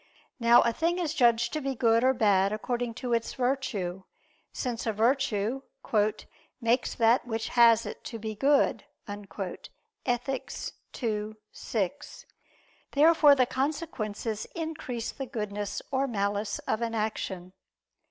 Now a thing is judged to be good or bad according to its virtue, since a virtue "makes that which has it to be good" (Ethic. ii, 6). Therefore the consequences increase the goodness or malice of an action.